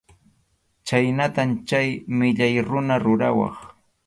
Chhaynatam chay millay runa rurawaq.